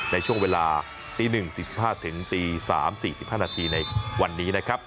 ในช่วงเวลาตี๑๔๕ถึงตี๓๔๕นาทีในวันนี้นะครับ